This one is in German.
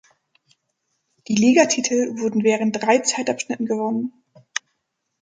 Die Liga-Titel wurden während drei Zeitabschnitten gewonnen.